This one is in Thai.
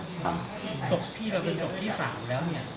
ศพพี่เราเป็นศพที่๓แล้ว